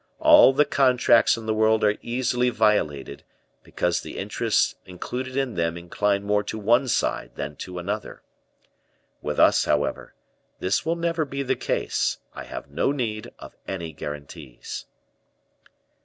All the contracts in the world are easily violated because the interests included in them incline more to one side than to another. With us, however, this will never be the case; I have no need of any guarantees."